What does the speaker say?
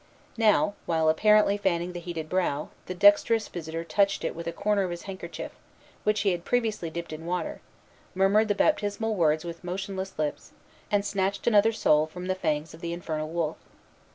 Now, while apparently fanning the heated brow, the dexterous visitor touched it with a corner of his handkerchief, which he had previously dipped in water, murmured the baptismal words with motionless lips, and snatched another soul from the fangs of the "Infernal Wolf."